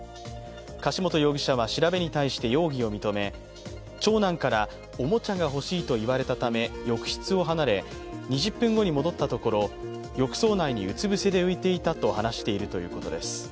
柏本容疑者は調べに対して容疑を認め長男からおもちゃが欲しいと言われたため、浴室を離れ、２０分後に戻ったところ浴槽内にうつ伏せで浮いていたと話しているということです。